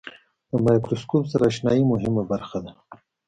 د مایکروسکوپ سره آشنایي مهمه برخه ده.